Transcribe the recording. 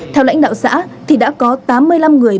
theo lãnh đạo xã thì đã có tám mươi năm người